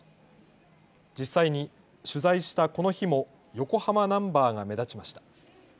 実際に取材したこの日も横浜ナンバーが目立ちました。